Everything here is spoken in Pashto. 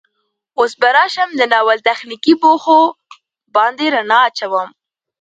اوس به راشم د ناول تخنيکي بوخو باندې ړنا اچوم